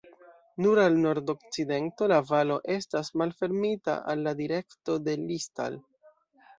Nur al nordokcidento la valo estas malfermita al la direkto de Liestal.